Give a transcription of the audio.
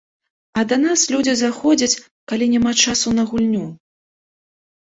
А да нас людзі заходзяць, калі няма часу на гульню.